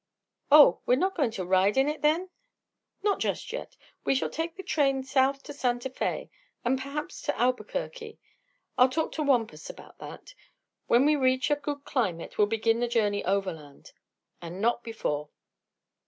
"Oh; we're not going to ride in it, then?" "Not just yet. We shall take the train south to Santa Fe, and perhaps to Albuquerque. I'll talk to Wampus about that. When we reach a good climate we'll begin the journey overland and not before."